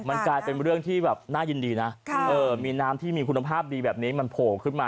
มันกลายเป็นเรื่องที่แบบน่ายินดีนะมีน้ำที่มีคุณภาพดีแบบนี้มันโผล่ขึ้นมา